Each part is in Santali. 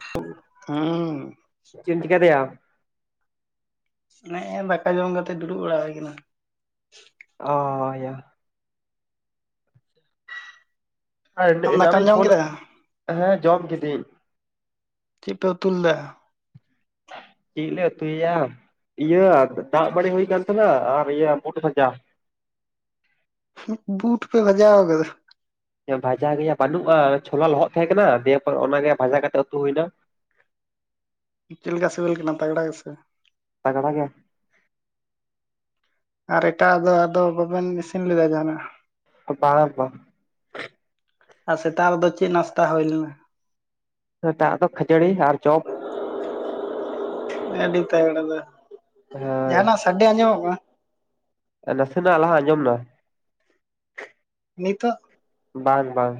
[unintelligible] ᱦᱩᱸᱻ ᱪᱮᱢ ᱪᱮᱠᱟᱭ ᱫᱟᱭᱟ ᱱᱮᱜ ᱼᱮ ᱫᱟᱠᱟ ᱡᱚᱢ ᱠᱟᱛᱮ ᱫᱩᱲᱩᱵ ᱵᱟᱲᱟ ᱦᱩᱭ ᱟᱠᱟᱱᱟ ᱚᱦᱚᱻ ᱦᱚᱭᱟ ᱦᱮᱸᱻ ᱟᱢ ᱮᱱᱼᱼ ᱮᱱᱟᱝ ᱫᱟᱠᱟᱢ ᱨᱤᱧ ᱡᱚᱢ ᱯᱷᱳᱱᱟ ᱠᱮᱫᱟ? ᱦᱮᱸ ᱡᱚᱢ ᱠᱤᱫᱟᱹᱧ ᱪᱮᱫ ᱯᱮ ᱩᱛᱩ ᱞᱮᱫᱟᱜᱼᱟ ᱪᱮᱫ ᱞᱮ ᱩᱛᱩᱭᱮᱭᱟ ᱤᱭᱟᱹ ᱫᱟᱜ ᱵᱟᱹᱲᱤ ᱦᱩᱭ ᱠᱟᱱ ᱛᱟᱦᱮᱱᱟ ᱟᱨ ᱤᱭᱟᱹ ᱵᱩᱴ ᱵᱷᱟᱡᱟ ᱵᱩᱴ ᱯᱮ ᱵᱷᱟᱡᱟᱣ ᱟᱠᱟᱫᱟ ᱵᱷᱟᱡᱟ ᱜᱮᱭᱟ ᱵᱟᱹᱱᱩᱜᱼᱟ ᱪᱷᱳᱞᱟ ᱞᱚᱦᱚᱫ ᱛᱟᱦᱮᱸ ᱠᱟᱱᱟ ᱫᱤᱭᱮ ᱯᱚᱨ ᱚᱱᱟ ᱜᱮ ᱵᱷᱟᱡᱟ ᱠᱟᱛᱮᱜ ᱩᱛᱩ ᱦᱩᱭᱮᱱᱟ ᱪᱮᱫ ᱞᱮᱠᱟ ᱥᱤᱵᱤᱞ ᱠᱟᱱᱟ ᱛᱟᱜᱲᱟ ᱜᱮ ᱥᱮ ᱛᱟᱜᱲᱟ ᱜᱮ ᱟᱨ ᱮᱴᱟᱜ ᱫᱚ ᱟᱫᱚ ᱵᱟᱵᱮᱱ ᱤᱥᱤᱱ ᱞᱮᱫᱟ ᱡᱟᱦᱟᱱᱟᱜ ᱵᱟᱝᱟ ᱵᱟᱝ ᱟᱨ ᱥᱮᱛᱟᱜ ᱨᱮᱫᱚ ᱪᱮᱫ ᱱᱟᱥᱛᱟ ᱦᱩᱭ ᱞᱮᱱᱟ ᱥᱮᱛᱟᱜ ᱨᱮᱫᱚ ᱠᱷᱟᱪᱟᱹᱲᱤ ᱟᱨ ᱪᱚᱯ ᱟᱹᱰᱤ ᱛᱟᱜᱲᱟ ᱫᱚ ᱦᱳᱭ ᱡᱟᱦᱟᱱᱟᱜ ᱥᱟᱰᱮ ᱟᱸᱡᱚᱢᱚᱜ ᱠᱟᱱᱟ ᱱᱟᱥᱮᱱᱟᱜ ᱞᱟᱦᱟ ᱟᱸᱡᱚᱢ ᱮᱱᱟ ᱱᱤᱛᱚᱜ ᱵᱟᱝ ᱵᱟᱝ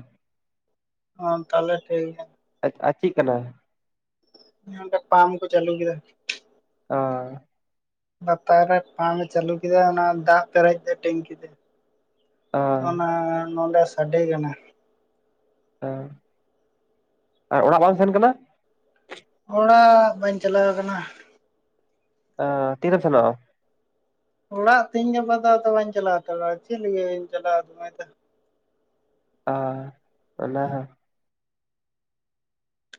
ᱚ ᱛᱟᱦᱚᱞᱮ ᱴᱷᱤᱠ ᱜᱮᱭᱟ ᱟᱨ ᱟᱼ ᱪᱮᱫ ᱠᱟᱱᱟ ᱱᱚᱣᱟ ᱫᱚ ᱯᱟᱢ ᱠᱚ ᱪᱟᱹᱞᱩ ᱠᱮᱫᱟ ᱚᱦᱚᱻ ᱵᱟᱛᱟᱨ ᱨᱮ ᱯᱟᱢᱯ ᱮ ᱪᱟᱹᱞᱩ ᱠᱮᱫᱟ ᱚᱱᱟ ᱫᱟᱜ ᱯᱮᱨᱮᱡ ᱮᱫᱟ ᱴᱮᱝᱠᱤ ᱛᱮ ᱛᱚ ᱚᱱᱟ ᱱᱚᱸᱰᱮ ᱥᱟᱰᱮ ᱠᱟᱱᱟ ᱚᱻ ᱟᱨ ᱚᱲᱟᱜ ᱵᱟᱢ ᱥᱮᱱ ᱠᱟᱱᱟ ᱚᱲᱟᱜ ᱵᱟᱹᱧ ᱪᱟᱞᱟᱣ ᱟᱠᱟᱱᱟ ᱚᱻ ᱛᱤᱨᱮᱢ ᱥᱮᱱᱚᱜᱼᱟ ᱚᱲᱟᱜ ᱛᱮᱦᱮᱧ ᱜᱟᱯᱟ ᱫᱚ ᱟᱫᱚ ᱵᱟᱹᱧ ᱪᱟᱞᱟᱣ ᱦᱟᱛᱟᱲᱚᱜᱼᱟ ᱪᱮᱫ ᱞᱟᱹᱜᱤᱧ ᱪᱟᱞᱟᱣ [unintelligible] ᱚᱻ ᱚᱱᱟ ᱦᱚᱸ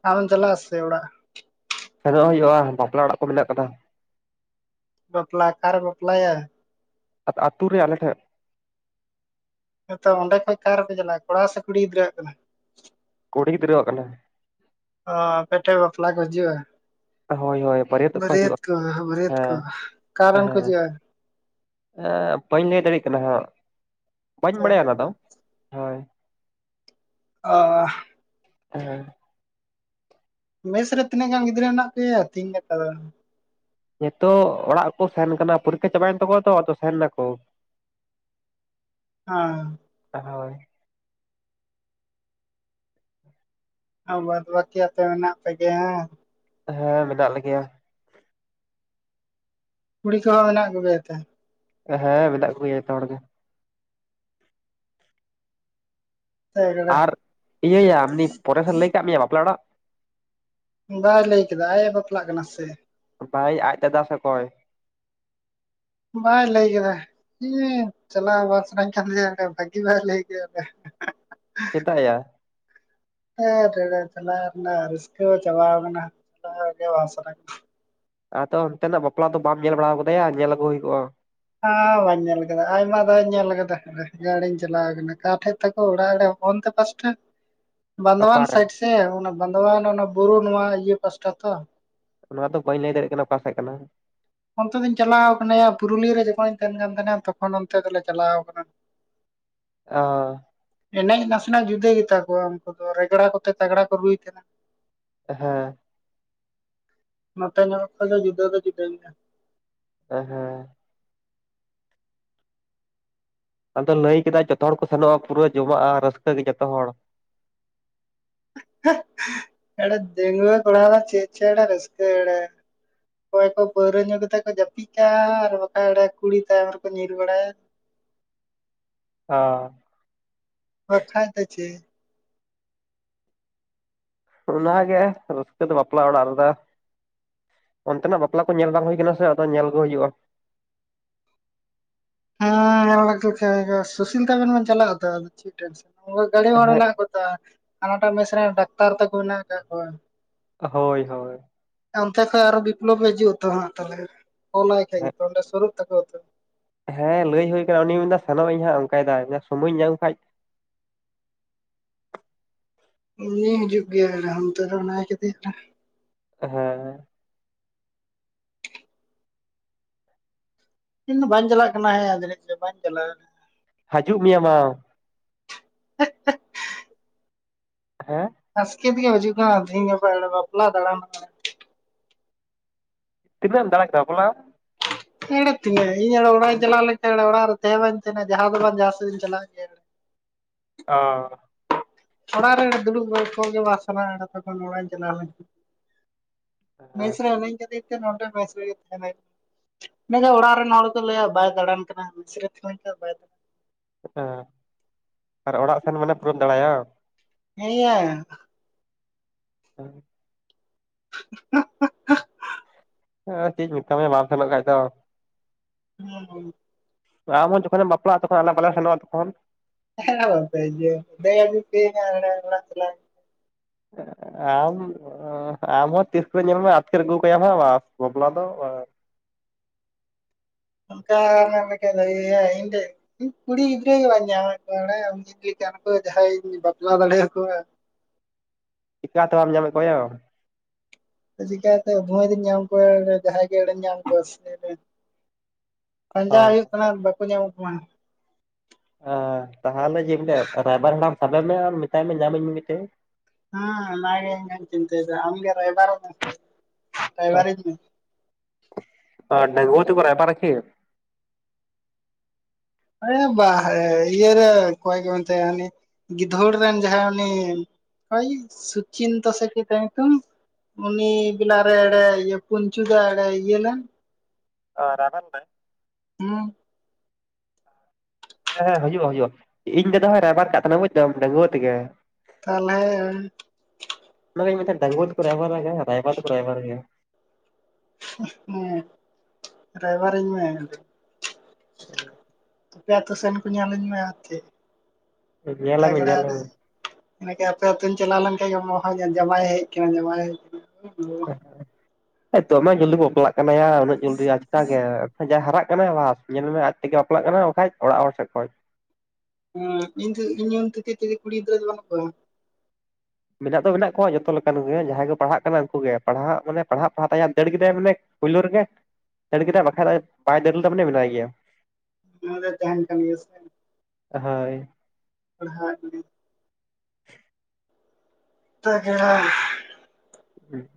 ᱟᱢᱮᱢ ᱪᱟᱞᱟᱜ ᱼᱟ ᱥᱮ ᱚᱲᱟᱜ ᱥᱮᱱᱚᱜ ᱦᱩᱭᱩᱜᱼᱟ ᱵᱟᱯᱞᱟ ᱚᱲᱟᱜ ᱠᱚ ᱢᱮᱱᱟᱜ ᱟᱠᱟᱫᱟ ᱵᱟᱯᱞᱟ ᱚᱠᱟᱨᱮ ᱵᱟᱯᱞᱟᱭᱟ ᱟᱫᱚ ᱟᱹᱛᱳ ᱨᱮ ᱟᱞᱮ ᱴᱷᱮᱱ ᱦᱚᱭ ᱛᱚ ᱚᱸᱰᱮ ᱠᱷᱚᱡ ᱚᱠᱟ ᱨᱮᱯᱮ ᱪᱟᱞᱟᱜᱼᱟ ᱠᱚᱲᱟ ᱥᱮ ᱠᱩᱲᱤ ᱜᱤᱫᱽᱨᱟᱹᱣᱟᱜ ᱠᱟᱱᱟ ᱠᱩᱲᱤ ᱜᱤᱫᱽᱨᱟᱹᱣᱟᱜ ᱠᱟᱱᱟ ᱚᱻ ᱟᱯᱮ ᱴᱷᱮᱡ ᱵᱟᱯᱞᱟ ᱠᱚ ᱦᱤᱡᱩᱜᱼᱟ ᱦᱳᱭ ᱦᱳᱭ ᱵᱟᱹᱨᱭᱟᱹᱛᱚᱜ ᱵᱟᱹᱨᱭᱟᱹᱛ ᱦᱤᱡᱩᱜᱼᱟ ᱠᱚ ᱵᱟᱹᱨᱭᱟᱹᱛ ᱠᱚ ᱦᱮᱸ ᱚᱠᱟ ᱨᱤᱱ ᱠᱚ ᱦᱮᱸ ᱦᱤᱡᱩᱜ ᱼᱟ ᱵᱟᱹᱧ ᱞᱟᱹᱭ ᱫᱟᱲᱮᱭᱟᱜ ᱠᱟᱱᱟ ᱦᱟᱸᱜ ᱵᱟᱹᱧ ᱵᱟᱲᱟᱭᱟ ᱚᱱᱟ ᱫᱚ ᱦᱳᱭ ᱟᱻ ᱦᱮᱸᱻ ᱢᱮᱥ ᱨᱮ ᱛᱤᱱᱟᱹᱜ ᱜᱟᱱ ᱜᱤᱫᱽᱨᱟᱹ ᱢᱮᱱᱟᱜ ᱯᱮᱭᱟ ᱛᱮᱦᱮᱧ ᱜᱟᱯᱟ ᱫᱚ ᱱᱤᱛᱚᱜ ᱚᱲᱟᱜ ᱠᱚ ᱥᱮᱱ ᱟᱠᱟᱱᱟ ᱯᱚᱨᱤᱠᱠᱷᱟ ᱪᱟᱵᱟᱭᱮᱱ ᱛᱟᱠᱚᱣᱟ ᱛᱚ ᱟᱫᱚ ᱥᱮᱱ ᱮᱱᱟ ᱠᱚ [inaudible] ᱟᱸᱻ [unintelligible] ᱦᱳᱭ ᱟᱨ ᱵᱟᱫᱽ ᱵᱟᱹᱠᱤ ᱟᱯᱮ ᱢᱮᱱᱟᱜ ᱯᱮᱜᱮᱭᱟ ᱦᱮᱸ ᱢᱮᱱᱟᱜ ᱞᱮᱜᱮᱭᱟ ᱠᱩᱲᱤ ᱠᱚᱦᱚᱸ ᱢᱮᱱᱟᱜ ᱠᱚᱜᱮᱭᱟ ᱥᱮ ᱦᱮᱸ ᱢᱮᱱᱟᱜ ᱠᱚᱜᱮᱭᱟ ᱡᱷᱚᱛᱚ ᱦᱚᱲ ᱜᱮ ᱟᱨ ᱵᱟᱭ ᱤᱭᱟᱹᱭᱟ ᱟᱱᱤ ᱯᱚᱨᱮᱥ ᱮ ᱞᱟᱹᱭ ᱟᱠᱟᱫ ᱢᱮᱭᱟ ᱵᱟᱯᱞᱟ ᱚᱲᱟᱜ ᱵᱟᱭ ᱞᱟᱹᱭ ᱠᱟᱫᱟ ᱟᱡ ᱮ ᱵᱟᱯᱞᱟᱜ ᱠᱟᱱᱟ ᱥᱮ ᱵᱷᱟᱭ ᱟᱡ ᱫᱟᱫᱟ ᱥᱮ ᱚᱠᱚᱭ ᱵᱟᱭ ᱞᱟᱹᱭ ᱠᱮᱫᱟ ᱦᱮᱸ ᱪᱟᱞᱟᱜ ᱵᱟᱝ ᱥᱟᱹᱱᱟᱹᱧ ᱠᱟᱱᱫᱚᱭᱟ [inaudible] ᱵᱷᱟᱹᱜᱤ ᱵᱟᱭ ᱞᱟ. ᱭ ᱠᱮᱫ ᱪᱮᱫᱟᱜ ᱭᱟ ᱦᱮᱸᱴ [unintelligible] ᱨᱟᱹᱥᱠᱟᱹ ᱦᱚᱸ ᱪᱟᱵᱟ ᱟᱠᱟᱱᱟ ᱪᱟᱞᱟᱭ ᱜᱮ ᱵᱟᱝ ᱥᱟᱱᱟ ᱟᱫᱚ ᱚᱱᱛᱮᱱᱟᱜ ᱵᱟᱯᱞᱟ ᱫᱚ ᱵᱟᱢ ᱧᱮᱞ ᱵᱟᱲᱟᱣ ᱟᱠᱟᱫᱟᱭᱟ ᱧᱮᱞ ᱟᱹᱜᱩ ᱦᱩᱭ ᱠᱚᱜᱼᱟ ᱦᱮᱸ ᱵᱟᱹᱧ ᱧᱮᱞ ᱟᱠᱟᱫᱟ ᱟᱭᱢᱟ ᱫᱷᱟᱣᱤᱧ ᱧᱮᱞ ᱟᱠᱟᱫᱟ ᱜᱰᱤᱤᱧ ᱪᱟᱞᱟᱣ ᱟᱠᱟᱱᱟ ᱚᱠᱟ ᱴᱷᱮᱱ ᱛᱟᱠᱚ ᱚᱲᱟᱜ [unintelligible] ᱱᱚᱱᱛᱮ ᱯᱟᱥᱴᱮ [inaudible] [inaudible] ᱵᱟᱸᱫᱷᱣᱟᱱ ᱚᱠᱟᱨᱮ ᱥᱟᱭᱤᱰ ᱥᱮ ᱚᱱᱟ ᱵᱟᱸᱫᱣᱟᱱ ᱚᱱᱟ ᱵᱩᱨᱩ ᱱᱚᱣᱟ ᱤᱭᱟᱹ ᱯᱟᱥᱴᱟ ᱛᱚ ᱚᱱᱟ ᱫᱚ ᱵᱟᱹᱧ ᱞᱟᱹᱭ ᱫᱟᱲᱮᱭᱟᱜ ᱠᱟᱱᱟ ᱚᱠᱟ ᱥᱮᱫ ᱠᱟᱱᱟ ᱚᱱᱛᱮ ᱫᱚᱧ ᱪᱟᱞᱟᱣ ᱠᱟᱱᱟ ᱯᱩᱨᱩᱞᱤᱭᱟᱹ ᱨᱮ ᱡᱚᱠᱷᱚᱱᱤᱧ ᱛᱟᱦᱮᱱ ᱠᱟᱱ ᱛᱟᱦᱮᱱᱟ ᱛᱚᱠᱷᱚᱱ ᱚᱱᱛᱮ ᱫᱚᱞᱮ ᱪᱟᱞᱟᱣ ᱠᱟᱱᱟ ᱚ ᱮᱱᱮᱡ ᱱᱟᱥᱮᱱᱟᱜ ᱡᱩᱫᱟᱹ ᱜᱮᱛᱟ ᱠᱚᱣᱟ ᱩᱱᱠᱩ ᱫᱚ ᱨᱮᱜᱽᱲᱟ ᱠᱚᱛᱮ ᱛᱟᱜᱽᱲᱟ ᱠᱚ ᱨᱩᱭ ᱛᱟᱦᱮᱸᱱᱟ ᱮ ᱦᱮᱸ ᱱᱚᱛᱮ ᱧᱚᱜ ᱠᱚᱫᱚ ᱡᱩᱫᱟᱹ ᱫᱚ ᱡᱩᱫᱟᱹ ᱜᱮᱭᱟ ᱮ ᱦᱮᱸ ᱟᱫᱚ ᱞᱟᱹᱭ ᱠᱮᱫᱟᱭ ᱡᱚᱛᱚ ᱦᱚᱲ ᱠᱚ ᱥᱮᱱᱚᱜᱼᱟ ᱯᱩᱨᱟᱹ ᱡᱚᱢᱟᱜᱼᱟ ᱨᱟᱹᱥᱠᱟᱹ ᱜᱮ ᱡᱷᱚᱛᱚ ᱦᱚᱲ ᱮᱴ [unintelligible] ᱰᱟᱹᱝᱣᱟᱹ ᱠᱚᱲᱟ ᱫᱚ ᱪᱮᱫ ᱪᱚ [inaudible] ᱨᱟᱹᱥᱠᱟᱹ ᱮᱲᱮ [unintelligible] ᱚᱠᱚᱭ ᱠᱚ ᱯᱟᱹᱣᱨᱟᱹ ᱧᱩ ᱠᱟᱛᱮ ᱠᱚ ᱡᱟᱹᱯᱤᱫ ᱠᱟᱜᱼᱟ ᱟᱨ ᱵᱟᱠᱷᱟᱱ ᱠᱩᱲᱤ ᱛᱟᱭᱚᱢ ᱨᱮᱠᱚ ᱧᱤᱨ ᱵᱟᱲᱟᱭᱟ ᱚ ᱦ ᱠᱷᱟᱭᱴ [unintelligible] ᱪ ᱚᱱᱟ ᱜᱮ ᱨᱟᱹᱥᱠᱟᱹ ᱫᱚ ᱵᱟᱯᱞᱟ ᱚᱲᱟᱜ ᱨᱮᱫᱚ ᱚᱱᱛᱮᱱᱟᱜ ᱵᱟᱯᱞᱟ ᱠᱚ ᱧᱮᱞ ᱵᱟᱝ ᱦᱩᱭᱩ ᱟᱠᱟᱱᱟ ᱥᱮ ᱟᱫᱚ ᱧᱮᱞ ᱜᱮ ᱦᱩᱭᱩᱜᱼᱟ ᱦᱮᱸ ᱧᱮᱞ ᱞᱮ [unintelligible] ᱥᱩᱥᱤᱞ ᱛᱟᱵᱮᱱ ᱵᱮᱱ ᱪᱟᱞᱟᱜ ᱟᱛᱚ ᱟᱫᱚ ᱪᱮᱫ ᱴᱮᱱᱥᱚᱱ ᱜᱟᱹᱲᱤ ᱦᱮᱸ ᱢᱮᱱᱟᱜ [inaudible] ᱦᱟᱱᱟᱴᱟᱜ ᱢᱮᱤᱥ ᱨᱮ ᱰᱟᱠᱛᱟᱨ ᱛᱟᱠᱚ ᱢᱮᱱᱟᱜ ᱟᱠᱟᱫ ᱠᱚᱣᱟ ᱦᱳᱭ ᱦᱳᱭ ᱚᱱᱛᱮ ᱠᱷᱚᱡ ᱟᱨᱚ ᱵᱤᱯᱞᱚᱵ ᱮ ᱦᱤᱡᱩᱜᱼᱟ ᱛᱚ ᱛᱟᱦᱚᱞᱮ ᱯᱷᱳᱱ ᱟᱭ ᱠᱷᱟᱡ ᱦᱮᱸ ᱜᱮᱛᱚ ᱚᱸᱰᱮ ᱥᱩᱨᱩᱜ ᱛᱟᱠᱚᱣᱟ ᱛᱚ ᱦᱮᱸ ᱞᱟᱹᱭ ᱦᱳᱭ ᱟᱠᱟᱱᱟ ᱩᱱᱤᱤᱭ ᱢᱮᱱ ᱮᱫᱟ ᱥᱮᱱᱚᱜ ᱤᱧ ᱦᱟᱸᱜ ᱚᱱᱠᱟᱭᱮᱫᱟᱭ ᱥᱚᱢᱚᱭᱤᱧ ᱧᱟᱢ ᱠᱷᱟᱱ ᱩᱱᱤᱤᱭ ᱦᱤᱡᱩᱜ ᱜᱮᱭᱟ ᱮ [unintelligible] ᱟᱢ ᱛ ᱚᱱᱟᱭ ᱠᱮᱫᱫᱮᱭᱟᱮ [unintelligible] ᱦᱮᱸ ᱤᱧ ᱫᱚ ᱵᱧ ᱪᱟᱞᱟᱜ ᱠᱟᱱᱟ ᱡᱟᱱᱸᱤᱡ ᱵᱧ ᱪᱟᱞᱟᱼᱟ ᱦᱤᱡᱩᱜ ᱢᱮᱭᱭᱟ ᱢᱟ ᱦᱮᱸ ᱟᱥᱠᱮᱛ ᱜᱮ ᱵᱩᱡᱷᱚᱣᱟ [unintelligible] ᱠᱟᱱᱟ ᱛᱮᱦᱤᱧ ᱜᱟᱯᱟ ᱵᱟᱯᱞᱟ ᱫᱟᱬᱟᱱ ᱛᱤᱱᱱᱟ ᱮᱢ ᱫᱟᱲᱟ ᱠᱮᱫᱟ ᱵᱟᱯᱞᱟ [unintelligible] ᱛᱤᱱᱟᱹ ᱤᱧ [unintelligible] ᱚᱲᱟᱜ ᱤᱧ ᱪᱟᱞᱟᱣ ᱞᱮᱱ ᱠᱷᱟᱱ ᱚᱲᱟᱜ ᱨᱮ ᱛᱟᱦᱮᱸ ᱵᱟᱝ ᱡᱟᱦᱟᱸ ᱛᱮᱵᱟᱝ ᱡᱟᱦᱟ ᱥᱮᱫ ᱤᱧ ᱪᱟᱞᱟᱜ ᱜᱮ ᱚ ᱚᱲᱟᱜᱨᱮ ᱫᱩᱲᱵ ᱵᱟᱝ ᱯᱷᱳᱱ ᱜᱮᱵᱟᱝ ᱥᱟᱱᱟ ᱦᱟ [inaudible] [inaudible] ᱦᱮᱸ ᱢᱮᱥ ᱦᱮᱸ ᱨᱮ ᱦᱟᱹᱱᱟᱹᱧ ᱠᱷᱟᱹᱛᱤᱨ ᱛᱮ ᱱᱚᱰᱮ ᱢᱮᱥ ᱨᱮᱜᱤᱧ ᱛᱟᱦᱮᱱᱟ ᱢᱮᱱᱱᱟᱠᱷᱷᱟᱟᱱ ᱚᱲᱟᱜ ᱨᱮᱱ ᱦᱚᱲ ᱠᱚ ᱞᱟᱹᱭᱟ ᱵᱟᱭ ᱫᱟᱟᱲᱟᱱ ᱠᱟᱱᱟ [inaudible] ᱫᱟ ᱦᱮᱸ ᱟᱨ ᱚᱲᱟᱜ ᱥᱮᱱ ᱢᱟᱱᱮ ᱯᱩᱨᱟᱹᱢ ᱫᱟᱲᱟᱭᱟ ᱦᱮ ᱦᱮᱸ [unintelligible] [inaudible] ᱦᱮᱸ ᱪᱮᱜ ᱢᱮᱛᱟ ᱢᱮ ᱵᱟᱢ ᱥᱮᱱᱚᱜ ᱠᱷᱟᱡ ᱫᱚ [unintelligible] ᱟᱢ ᱦᱚᱸ ᱡᱚᱠᱷᱚᱱᱮᱢ ᱵᱟᱯᱞᱟᱜᱼᱟ ᱛᱚᱠᱷᱚᱱ ᱟᱞᱮ ᱵᱟᱞᱮ ᱥᱮᱱᱚᱜ-ᱟ ᱛᱚᱠᱷᱚᱱ ᱦᱮᱞᱳ ᱜᱚᱢᱠᱮ ᱤᱭᱟᱹ [unintelligible] ᱟᱞᱟᱝ ᱜᱮ ᱞᱟᱝ ᱪᱟᱞᱟᱜ-ᱟ ᱟᱢ ᱟᱢ ᱦᱚᱸ ᱛᱤᱥ ᱠᱚᱨᱮ ᱧᱮᱞ ᱢᱮ ᱟᱹᱛᱠᱤᱨ ᱟᱹᱜᱩ ᱠᱟᱭᱟᱢ ᱦᱟᱜ ᱵᱟᱥ ᱵᱟᱯᱞᱟ ᱫᱚ ᱵᱟᱝ ᱚᱱᱠᱟ ᱢᱮ ᱢᱤᱫ ᱴᱮᱱ ᱵᱷᱟᱜᱮ ᱜᱮᱭᱟ ᱤᱧ ᱫᱚ ᱤᱧ ᱠᱩᱲᱤ ᱜᱤᱫᱽᱨᱟᱹ ᱜᱮ ᱵᱟᱹᱧ ᱧᱟᱢᱮᱫ ᱠᱚᱣᱟ ᱵᱟᱰᱟᱭᱟᱢ [unintelligible] ᱡᱟᱦᱟᱸᱭ ᱤᱧ ᱵᱟᱯᱞᱟ ᱫᱟᱲᱮ ᱟᱠᱚᱣᱟ ᱪᱮᱠᱟᱛᱮ ᱵᱟᱢ ᱧᱟᱢ ᱮᱫ ᱠᱚᱣᱟ ᱭᱟ ᱪᱤᱠᱟᱛᱮ ᱵᱷᱩᱣᱟᱡ ᱧᱟᱢ ᱠᱚᱣᱟ ᱡᱟᱦᱟᱸᱭ ᱜᱮ ᱮᱲᱮᱢ ᱧᱟᱢ ᱠᱚᱣᱟ ᱥᱮ ᱯᱟᱸᱡᱟ ᱵᱟᱝ? ᱦᱩᱭᱩᱜ ᱠᱟᱱᱟ ᱵᱟᱠᱚ ᱧᱟᱢᱚᱜ ᱠᱟᱱᱟ ᱛᱟᱦᱟᱞᱮ ᱡᱮ [unintelligible] ᱨᱟᱭᱵᱟᱨ ᱦᱟᱲᱟᱢ ᱥᱟᱵᱮ ᱢᱮ ᱟᱨ ᱢᱮᱛᱟᱭ ᱢᱮ ᱧᱟᱢᱟᱹᱧ ᱢᱮ ᱢᱤᱫᱴᱮᱡ ᱦᱮ ᱚᱱᱟ ᱜᱮ ᱤᱧ ᱦᱚᱧ ᱪᱤᱱᱛᱟᱹᱭ ᱮᱫᱟ ᱟᱢ ᱜᱮ ᱨᱟᱭᱵᱟᱨᱚᱜ ᱢᱮ ᱥᱮ ᱨᱟᱭᱵᱟᱨ ᱤᱧ ᱢᱮ ᱚ ᱰᱟᱜᱩᱣᱟᱹ ᱛᱮᱠᱚ ᱨᱟᱭᱵᱟᱨ ᱟᱠᱤ ᱦᱮ ᱵᱟᱜ ᱤᱭᱮ ᱨᱮ ᱚᱠᱚᱭ ᱠᱚ ᱢᱮᱛᱟᱭᱟ ᱩᱱᱤ ᱜᱤᱫᱷᱚᱲ ᱨᱮᱱ ᱡᱟᱦᱟᱸᱭ ᱩᱱᱤ [unintelligible] ᱥᱩᱪᱤᱱᱛᱟ ᱥᱮ ᱪᱮᱫ ᱛᱟᱭ ᱧᱩᱛᱩᱢ ᱩᱱᱤ ᱵᱤᱞᱟ ᱨᱮ ᱮᱲᱮ ᱯᱩᱧᱪᱩ ᱫᱟ ᱮᱲᱮ ᱤᱭᱟᱹ ᱞᱮᱢ ᱚ ᱨᱮᱵᱮᱱ ᱵᱮᱱ ᱦᱩᱸ ᱦᱮᱸ ᱦᱮᱸ ᱦᱩᱭᱩᱜᱼᱟ ᱦᱩᱭᱩᱜᱼᱟ ᱤᱧ ᱫᱟᱫᱟ ᱦᱚᱭ ᱨᱟᱭᱵᱟᱨ ᱠᱟᱜ ᱛᱟᱞᱮ ᱵᱩᱡᱽ ᱮᱫᱟᱢ ᱰᱟᱹᱜᱩᱣᱟᱹ ᱛᱮᱜᱮ ᱛᱟᱞᱦᱮ ᱚᱱᱟ ᱜᱮᱧ ᱢᱮᱱ ᱮᱫ ᱛᱟᱦᱮᱫ ᱰᱟᱜᱩᱣᱟᱹ ᱛᱮᱠᱚ ᱨᱟᱭᱵᱟᱨ [unintelligible] ᱨᱟᱭᱵᱟᱨ ᱫᱚᱠᱚ ᱨᱟᱭᱵᱟᱨ ᱜᱮᱭᱟ ᱦᱮᱸ ᱨᱟᱭᱵᱟᱨ ᱤᱧ ᱢᱮ ᱦᱩᱸ ᱟᱯᱮ ᱟᱛᱳ ᱥᱮᱱ ᱠᱚ ᱧᱮᱞ ᱤᱧ ᱢᱮ ᱟᱨᱠᱮ ᱧᱮᱞᱟᱢᱮ [unintelligible] ᱧᱮᱞᱟᱢᱮ ᱟᱛᱮᱡ ᱤᱱᱟ ᱠᱮ ᱟᱯᱮ ᱟᱹᱛᱩᱧ ᱪᱟᱞᱟᱣ ᱞᱮᱱᱠᱷᱟᱡ ᱜᱮ ᱦᱚᱦᱚ ᱟᱸᱡᱚᱢᱟ ᱡᱟᱶᱟᱭᱮ ᱦᱮᱡ ᱠᱟᱱᱟ ᱡᱟᱶᱟᱭ ᱦᱮᱡ ᱟᱠᱟᱱᱟ ᱫᱚᱢᱮ ᱡᱚᱞᱫᱤ ᱠᱚ ᱵᱟᱯᱞᱟᱜ ᱠᱟᱱᱟ ᱭᱟ ᱩᱱᱟᱹᱜ ᱡᱚᱞᱫᱤ ᱟᱪᱠᱟ ᱜᱮ ᱡᱟᱦᱟᱸᱭ ᱦᱟᱨᱟᱜ ᱠᱟᱱᱟ ᱵᱟᱥ ᱧᱮᱞ ᱢᱮ ᱟᱡ ᱛᱮᱜᱮ ᱵᱟᱯᱞᱟᱜ ᱠᱟᱱᱟ ᱵᱟᱠᱷᱟᱡ ᱚᱲᱟᱜ ᱦᱚᱲ ᱥᱮᱫ ᱠᱷᱚᱱ ᱦᱮ ᱤᱧ [unintelligible] ᱛᱷᱮᱠᱮ ᱪᱮᱞᱮ ᱠᱩᱲᱤ ᱜᱤᱫᱽᱨᱟᱹ ᱜᱮ ᱵᱟᱱᱩᱜ ᱠᱚᱣᱟ ᱢᱮᱱᱟᱜ ᱫᱚ ᱢᱮᱱᱟᱜ ᱠᱚᱣᱟ ᱡᱚᱛᱚ ᱞᱮᱠᱟᱱ ᱜᱮ ᱡᱟᱦᱟᱸᱭ ᱠᱚ ᱯᱟᱲᱦᱟᱜ ᱠᱟᱱᱟ ᱩᱱᱠᱩ ᱜᱮ ᱯᱟᱲᱦᱟᱜ ᱢᱟᱱᱮ ᱯᱟᱲᱦᱟᱜ ᱯᱟᱲᱦᱟ ᱛᱮᱜᱮ ᱫᱟᱹᱲ ᱠᱮᱫᱟᱭ ᱢᱟᱱᱮ ᱯᱳᱭᱞᱳ ᱨᱮᱜᱮ ᱫᱟᱹᱲ ᱠᱮᱫᱟᱭ ᱵᱟᱠᱷᱟᱡ ᱵᱟᱭ ᱫᱟᱹᱲ ᱞᱮᱫᱟ ᱢᱟᱱᱮ ᱢᱮᱱᱟᱭ ᱜᱮᱭᱟ ᱚᱱᱟ ᱫᱚ ᱛᱟᱦᱮᱱ ᱠᱟᱱ ᱜᱮᱭᱟ ᱥᱮ ᱦᱳᱭ ᱯᱟᱲᱦᱟᱜ ᱛᱮᱜᱮ ᱦᱩᱸ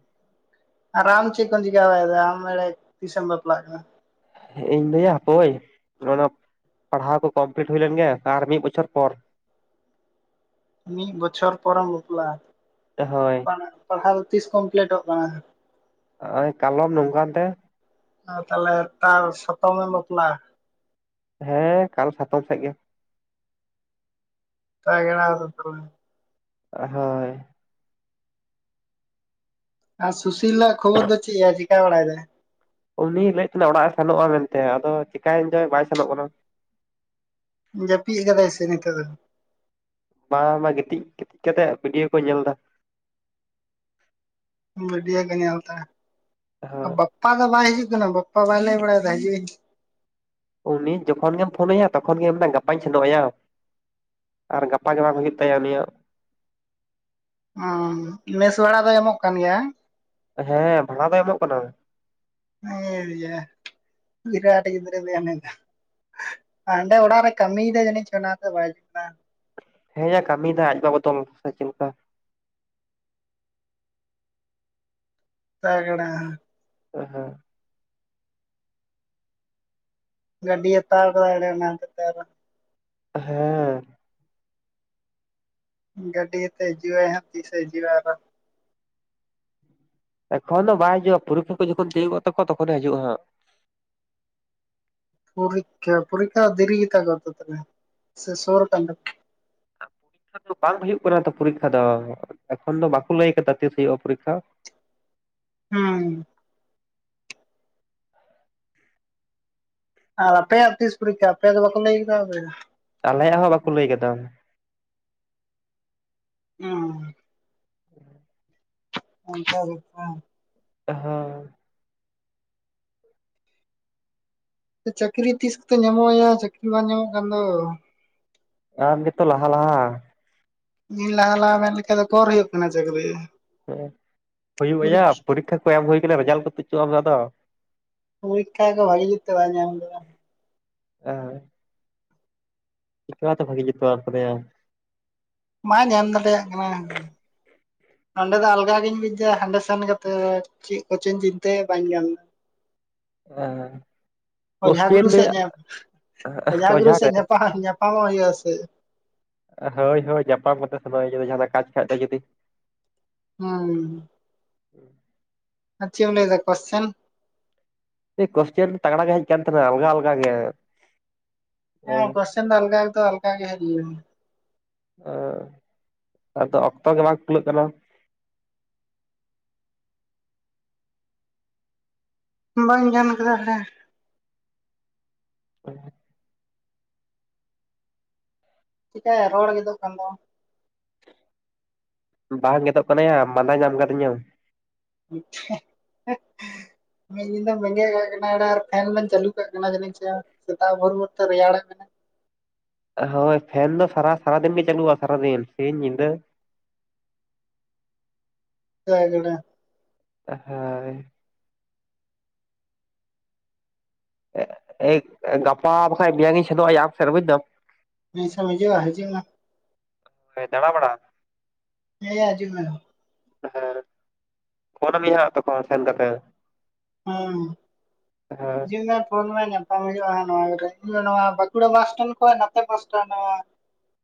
ᱟᱨ ᱟᱢ ᱪᱮᱫ ᱠᱚᱢ ᱪᱤᱠᱟᱹ ᱵᱟᱲᱟ ᱮᱫᱟ ᱟᱢ ᱮᱲᱮ ᱛᱤᱥᱮᱢ ᱵᱟᱯᱞᱟᱜ ᱠᱟᱱᱟ ᱦᱮᱸ ᱤᱧ ᱫᱚᱭᱟ ᱦᱟᱯᱳᱭ ᱚᱱᱟ ᱯᱟᱲᱦᱟᱣ ᱠᱚ ᱠᱚᱢᱯᱤᱞᱴ ᱦᱳᱭ ᱞᱮᱱ ᱜᱮ ᱛᱟᱨ ᱢᱤᱫ ᱵᱚᱪᱷᱚᱨ ᱯᱚᱨ ᱢᱤᱫ ᱵᱚᱪᱷᱚᱨ ᱯᱚᱨ ᱮᱢ ᱵᱟᱯᱞᱟᱜ-ᱟ ᱦᱳᱭ ᱯᱟᱲᱟᱜ ᱯᱟᱲᱦᱟᱣ ᱫᱚ ᱛᱤᱥ ᱠᱚᱢᱯᱞᱤᱴᱚᱜ ᱛᱟᱢᱟ ᱱᱚᱜ-ᱚᱭ ᱠᱟᱞᱚᱢ ᱱᱚᱝᱠᱟᱱ ᱛᱮ ᱛᱟᱦᱞᱮ ᱛᱟᱨ ᱥᱚᱛᱟᱢ ᱮᱢ ᱵᱟᱯᱞᱟᱜ-ᱟ ᱦᱮᱸ ᱠᱟᱞ ᱥᱟᱛᱚᱢ ᱥᱮᱫ ᱜᱮ ᱛᱟᱜᱲᱟ [unintelligible] ᱦᱳᱭ ᱟᱨ ᱥᱩᱥᱤᱞ ᱟᱜ ᱠᱷᱚᱵᱚᱨ ᱫᱚ ᱪᱮᱫ ᱭᱟ ᱪᱤᱠᱟ ᱵᱟᱲᱟ ᱮᱫᱟᱭ ᱩᱱᱤᱭ ᱞᱟᱹᱭᱮᱫ ᱛᱟᱦᱮᱱᱟ ᱚᱲᱟᱜ ᱮ ᱥᱮᱱᱚᱜᱼᱟ ᱢᱮᱱᱛᱮ ᱟᱫᱚ ᱪᱮᱠᱟᱭᱮᱱ ᱪᱚᱭ ᱵᱟᱭ ᱥᱮᱱᱚᱜ ᱠᱟᱱᱟ ᱡᱟᱯᱤᱫ ᱟᱠᱟᱫᱟᱭ ᱥᱮ ᱱᱤᱛᱚᱜ ᱫᱚ ᱵᱟᱝ ᱵᱟᱝ ᱜᱤᱛᱤᱡ ᱠᱟᱛᱮᱫ ᱵᱷᱤᱰᱤᱭᱳ ᱠᱚ ᱧᱮᱞ ᱮᱫᱟ᱾ ᱵᱷᱤᱰᱤᱭᱳ ᱠᱚ ᱧᱮᱞ ᱮᱫᱟ ᱦᱳᱭ ᱵᱟᱯᱯᱟ ᱫᱚ ᱵᱟᱭ ᱦᱤᱡᱩᱜ ᱠᱟᱱᱟ ᱵᱟᱯᱯᱟ ᱵᱟᱭ ᱞᱟᱹᱭ ᱵᱟᱲᱟᱭ ᱮᱫᱟ ᱦᱤᱡᱩᱜ ᱤᱧ ᱩᱱᱤ ᱡᱚᱠᱷᱚᱱ ᱜᱮᱢ ᱯᱷᱳᱱ ᱟᱭᱟ ᱛᱚᱠᱷᱚᱱ ᱜᱮ ᱢᱮᱱᱟᱭ ᱜᱟᱯᱟᱧ ᱥᱮᱱᱚᱜ ᱟᱭᱟ, ᱟᱨ ᱜᱟᱯᱟ ᱜᱮ ᱵᱟᱝ ᱦᱩᱭᱩᱜ ᱛᱟᱭᱟ ᱩᱱᱤᱭᱟᱜ᱾ ᱚ ᱢᱮᱥ ᱵᱷᱟᱲᱟ ᱫᱚ ᱮᱢᱚᱜ ᱠᱟᱱ ᱜᱮᱭᱟ? ᱦᱮᱸ ᱵᱷᱟᱲᱟ ᱫᱚ ᱮᱢᱚᱜ ᱠᱟᱱᱟ᱾ ᱦᱮᱭᱟ ᱵᱤᱨᱤᱨᱴ ᱜᱤᱫᱽᱨᱟᱹ ᱫᱚᱭᱟ ᱩᱱᱤ ᱫᱚ᱾ ᱦᱟᱸᱰᱮ ᱚᱲᱟᱜ ᱨᱮ ᱠᱟᱹᱢᱤᱭ ᱮᱫᱟᱭ ᱡᱟᱹᱱᱤᱡ ᱪᱚᱭ‌ ᱚᱱᱟ ᱛᱮ ᱵᱟᱭ ᱦᱤᱡᱩᱜ ᱠᱟᱱᱟᱭ᱾ ᱦᱮᱸ ᱠᱟᱹᱢᱤ ᱫᱟᱹᱭ ᱟᱡ ᱵᱚᱫᱚᱞ ᱪᱤᱫ ᱞᱮᱠᱟ᱾ ᱛᱟᱜᱲᱟ [unintelligible] ᱜᱟᱹᱰᱤ ᱦᱟᱛᱟᱣ ᱟᱠᱟᱫᱟᱭ ᱚᱱᱟ ᱦᱚᱛᱮᱫ ᱛᱮ ᱟᱫᱚ ᱦᱮᱸ, ᱜᱟᱹᱰᱤ ᱟᱛᱮᱫ ᱮ ᱦᱤᱡᱩᱜ ᱟᱭ ᱛᱤᱥᱮ ᱦᱤᱡᱩᱜ ᱟᱭᱟ ᱟᱨᱦᱚᱸ, ᱮᱠᱷᱚᱱ ᱫᱚ ᱵᱟᱭ ᱦᱤᱡᱩᱜᱼᱟ, ᱯᱚᱨᱤᱠᱠᱷᱟ ᱠᱚ ᱡᱚᱠᱷᱚᱱ ᱛᱤᱭᱳᱜ ᱛᱟᱠᱚᱣᱟ ᱛᱚᱠᱷᱚᱱᱮ ᱦᱤᱡᱩᱜᱼᱟ ᱦᱟᱸᱜ ᱾ ᱯᱚᱨᱤᱠᱠᱷᱟ, ᱯᱚᱨᱤᱠᱠᱷᱟ ᱫᱚ ᱫᱮᱨᱤ ᱜᱤᱛᱟᱹ ᱠᱚ ᱛᱟᱦᱚᱞᱮ ᱥᱮ ᱥᱳᱨ ᱟᱠᱟᱱᱟ ᱠᱟᱱ ᱛᱟᱠᱚᱣᱟ? ᱱᱤᱛ ᱫᱚ ᱵᱟᱝ ᱦᱩᱭᱩᱜ ᱠᱟᱱᱟ ᱛᱚ ᱯᱚᱨᱤᱠᱠᱷᱟ ᱫᱚ ᱮᱠᱷᱚᱱ ᱫᱚ ᱵᱟᱠᱚ ᱞᱟᱹᱭ ᱟᱠᱟᱫᱟ ᱛᱤᱥ ᱦᱩᱭᱩᱜᱼᱟ ᱯᱚᱨᱤᱠᱠᱷᱟ? ᱦᱩᱸ, ᱟᱨ ᱟᱯᱮᱭᱟᱜ ᱛᱤᱥ ᱯᱚᱨᱤᱠᱠᱷᱟ ᱟᱯᱮᱭᱟᱜ ᱫᱚ ᱵᱟᱠᱚ ᱞᱟᱹᱭ ᱟᱠᱟᱫᱟ? ᱟᱞᱮᱭᱟᱜ ᱦᱚᱸ ᱵᱟᱠᱚ ᱞᱟᱹᱭ ᱟᱠᱟᱫᱟ᱾ [unintelligible] [unintelligible] ᱚᱱᱠᱟ ᱵᱮᱯᱟᱨ ᱦᱮᱸ ᱪᱟᱹᱠᱨᱤ ᱛᱤᱥ ᱠᱚᱛᱮ ᱧᱟᱢᱚᱜ ᱟᱭᱟ ᱪᱟᱹᱠᱨᱤ ᱵᱟᱝ ᱧᱟᱢᱚᱜ ᱠᱟᱱ ᱫᱚ? ᱟᱢ ᱜᱮᱛᱚ ᱞᱟᱦᱟ ᱞᱟᱦᱟ, ᱤᱧ ᱞᱟᱦᱟ ᱞᱟᱦᱟ ᱢᱮᱱ ᱞᱮᱠᱷᱟᱱ ᱫᱚ ᱚᱠᱟᱨᱮ ᱦᱩᱭᱩᱜ ᱠᱟᱱᱟ ᱪᱟᱹᱠᱨᱤ, ᱦᱮᱸ ᱦᱩᱭᱩᱜ ᱟᱭᱟ ᱯᱚᱨᱤᱠᱠᱷᱟ ᱠᱚ ᱮᱢ ᱦᱩᱭ ᱟᱠᱟᱱᱟ ᱨᱮᱡᱟᱞᱴ ᱠᱚ ᱛᱩᱜᱼᱦᱚᱪᱚᱜ-ᱟᱜ ᱢᱮ ᱟᱫᱚ, ᱯᱚᱨᱤᱠᱠᱷᱟ ᱠᱚ ᱵᱷᱟᱞᱮ ᱡᱩᱛ ᱛᱮ ᱵᱟᱝ ᱮᱢ ᱞᱮᱫᱟ᱾ [unintelligible] ᱪᱤᱠᱟᱹᱛᱮ ᱵᱷᱟᱜᱤ ᱡᱩᱛ ᱵᱟᱢ ᱮᱢ ᱠᱟᱫᱟᱭᱟ? ᱵᱟᱧ ᱮᱢ ᱫᱟᱲᱮᱭᱟᱜ-ᱟ ᱠᱟᱱᱟ᱾ ᱱᱚᱸᱰᱮ ᱫᱚ ᱟᱞᱜᱟᱜᱤᱧ ᱵᱩᱡ ᱮᱫᱟ ᱦᱟᱸᱰᱮ ᱥᱮᱱ ᱠᱟᱛᱮᱫ ᱪᱮᱫ ᱠᱚᱪᱚᱧ ᱪᱤᱱᱛᱟᱹᱭ ᱮᱫ ᱵᱟᱹᱧ ᱜᱟᱱ ᱮᱫᱟ᱾ ᱚᱻ ᱚᱡᱷᱟ ᱜᱩᱨᱩ ᱥᱮᱫ ᱧᱟ ᱚᱡᱷᱟ ᱜᱩᱨᱩ ᱥᱮᱫ ᱧᱟᱯᱟᱢᱚᱜ ᱦᱩᱭᱩᱜᱼᱟ ᱥᱮ ᱪᱮᱫ? ᱦᱳᱣ, ᱦᱳᱣ, ᱧᱟᱯᱟᱢ ᱠᱟᱛᱮ ᱥᱮᱱᱚᱜ ᱦᱤᱡᱩᱜ ᱢᱮ ᱡᱟᱦᱟᱸᱱᱟᱜ ᱠᱟᱡ ᱠᱷᱟᱱ ᱫᱚ ᱡᱩᱫᱤ ᱦᱩᱸ ᱟᱨ ᱪᱮᱫ ᱮᱢ ᱞᱟᱹᱭ ᱮᱫᱟ ᱠᱳᱥᱪᱮᱱ, ᱮ ᱠᱳᱥᱪᱤᱮᱱ ᱛᱟᱜᱽᱲᱟ ᱜᱮ ᱦᱮᱡ ᱟᱠᱟᱱ ᱛᱟᱦᱮᱸᱱᱟ ᱟᱞᱜᱟ, ᱟᱞᱜᱟ ᱜᱮ᱾ ᱦᱮᱸ ᱠᱳᱥᱪᱤᱮᱱ ᱫᱚ ᱟᱞᱜᱟ ᱫᱚ ᱟᱞᱜᱟ ᱜᱮ ᱦᱮᱡ ᱞᱮᱱᱟ᱾ ᱮᱸ ᱟᱫᱚ ᱚᱠᱛᱚ ᱜᱮ ᱵᱟᱝ ᱠᱷᱩᱞᱟᱹᱜ ᱠᱟᱱᱟ᱾ ᱵᱟᱹᱧ ᱜᱟᱱ ᱠᱟᱫᱟ [unintelligible] [unintelligible] ᱪᱤᱠᱟᱭᱟ ᱨᱚᱲ ᱜᱮᱫᱚᱜ ᱠᱟᱱ ᱛᱟᱢᱟ? ᱵᱟᱝ ᱜᱮᱫᱚᱜ ᱠᱟᱱᱟᱭᱟ ᱢᱟᱫᱟ ᱧᱟᱢ ᱠᱟᱫᱤᱧᱟ᱾ [unintelligible] ᱢᱤᱫ ᱧᱤᱫᱮᱢ ᱵᱮᱸᱜᱮᱫ ᱠᱟᱜ ᱠᱟᱱᱟ ᱟᱨ ᱯᱷᱮᱱ ᱮᱢ ᱪᱟᱹᱞᱩ ᱠᱟᱜ ᱠᱟᱱᱟ ᱡᱟᱹᱱᱤᱱ ᱪᱚ? ᱥᱮᱛᱟᱜ ᱵᱷᱳᱨ ᱵᱷᱳᱨ ᱛᱮ ᱨᱮᱭᱟᱲ ᱠᱟᱱᱟ᱾ ᱦᱳᱭ ᱯᱷᱮᱱ ᱫᱚ ᱥᱟᱨᱟᱫᱤᱱ ᱜᱮ ᱪᱟᱹᱞᱩᱜᱼᱟ ᱥᱟᱨᱟᱫᱤᱱ ᱥᱤᱧ ᱧᱤᱫᱟᱹ, [unintelligible] ᱦᱳᱭ ᱮᱭ ᱜᱟᱯᱟ ᱵᱟᱠᱷᱟᱱ ᱢᱮᱭᱟᱝᱤᱧ ᱯᱷᱮᱫᱚᱜᱼᱟᱭᱟ ᱟᱢᱥᱮᱫ ᱵᱩᱡᱽ ᱫᱟᱢ᱾ ᱛᱤᱥ ᱮᱢ ᱦᱤᱡᱩᱜ ᱟ ᱦᱤᱡᱩᱜᱼᱟ ᱦᱤᱡᱩᱜ ᱢᱮ ᱦᱚᱭ ᱫᱲᱟ ᱵᱟᱲᱟ ᱦᱮᱭᱟ ᱦᱤᱡᱩᱜ ᱢᱮ ᱦᱮᱸ ᱯᱷᱳᱱᱟ ᱢᱮᱭᱟ ᱦᱟᱸᱜ ᱛᱚᱠᱷᱚᱱ ᱥᱮᱱ ᱠᱟᱛᱮ ᱦᱮᱸ [unintelligible] ᱦᱩᱭᱩᱜᱼᱟ ᱱᱚᱣᱟᱧ ᱱᱚᱣᱟ ᱵᱟᱸᱠᱩᱲᱟ ᱢᱟᱥᱴᱮᱱ ᱠᱷᱚᱱ ᱱᱟᱛᱮ ᱢᱟᱥᱴᱮᱱ [unintelligible]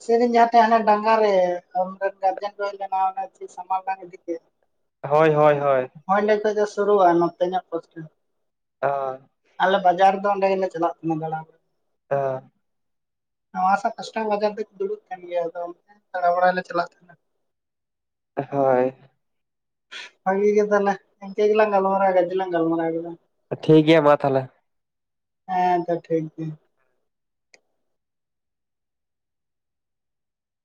ᱥᱮᱨᱮᱧ ᱡᱟᱦᱟᱸ ᱴᱟᱜ ᱦᱟᱱᱟ ᱰᱟᱸᱜᱟ ᱨᱮ ᱟᱢ ᱨᱮᱱ ᱜᱟᱨᱡᱮᱱ ᱠᱚ ᱦᱮᱡ ᱞᱮᱱᱟ [unintelligible] [unintelligible] ᱦᱳᱭ ᱦᱳᱭ ᱦᱳᱭ ᱦᱸᱰᱮ ᱠᱷ ᱫᱚ ᱥᱩᱨᱩᱜᱼᱟ ᱱᱚᱛᱮ ᱧᱚᱜ ᱯᱥᱴ ᱚ ᱟᱞᱮ ᱵᱟᱡᱟᱨ ᱫᱚ ᱚᱸᱰᱮ ᱜᱮᱞᱮ ᱪᱟᱞᱟᱜ ᱠᱟᱱᱟ ᱫᱟᱬᱟᱱ ᱦ ᱱᱚᱣᱟ ᱥᱟᱶ ᱠᱟᱥᱴᱚᱢ ᱵᱟᱡᱟᱨ ᱛᱮ ᱠᱚ ᱫᱩᱲᱩᱵ ᱠᱟᱱ ᱜᱮᱭᱟ ᱟᱫᱚ ᱫᱟᱬᱟ ᱵᱟᱲᱟᱭ ᱞᱮ ᱪᱟᱞᱟᱜ ᱛᱟᱦᱮᱸᱼᱼ ᱦᱳᱭ ᱵᱷᱟᱹᱜᱤ ᱜᱮ ᱛᱟᱞᱮ ᱤᱱᱠᱟᱹ ᱜᱮᱞᱟᱝ ᱜᱟᱞᱢᱟᱨᱟ ᱟ ᱜᱟᱡᱮ ᱞᱟᱝ ᱜᱟᱞᱢᱟᱨᱟᱣ ᱠᱮᱫᱟ ᱴᱷᱤᱠ ᱜᱮᱭᱟ ᱢᱟ ᱛᱟᱦᱚᱞᱮ ᱦᱮᱸ ᱛᱚ ᱴᱷᱤᱠ ᱜᱮᱭᱟ